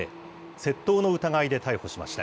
窃盗の疑いで逮捕しました。